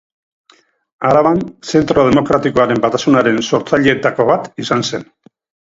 Araban Zentro Demokratikoaren Batasunaren sortzaileetako bat izan zen.